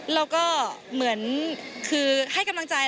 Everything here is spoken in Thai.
แล้วก็เหมือนคือให้กำลังใจ